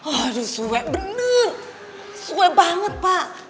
aduh suek bener suek banget pak